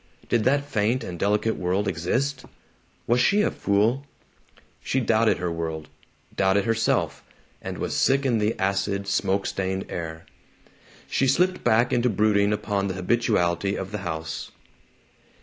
Did that faint and delicate world exist? Was she a fool? She doubted her world, doubted herself, and was sick in the acid, smoke stained air. She slipped back into brooding upon the habituality of the house.